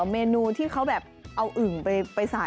เมนูที่เขาแบบเอาอึ่งไปใส่